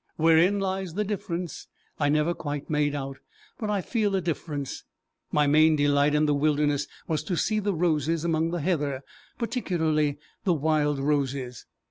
Wherein lies the difference, I never quite made out, but I feel a difference. My main delight in the wilderness was to see the roses among the heather particularly the wild roses.